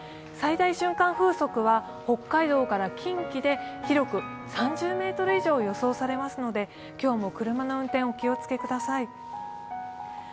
最大瞬間風速は北海道から近畿で広く３０メートル以上予想されますので今日も車の運転お気を付けください。